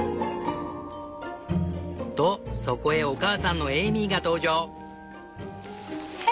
とそこへお母さんのエイミーが登場。